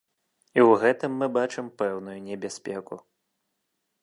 І ў гэтым мы бачым пэўную небяспеку.